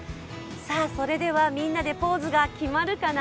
それではみんなでポーズが決まるかな。